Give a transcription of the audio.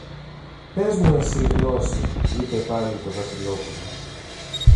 Πες μου εσύ, Γνώση, είπε πάλι το Βασιλόπουλο